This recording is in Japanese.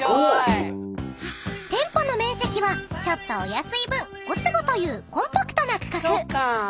［店舗の面積はちょっとお安い分５坪というコンパクトな区画］